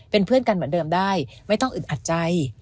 เป็นเพื่อนกันเหมือนเดิมได้ไม่ต้องอึดอัดใจ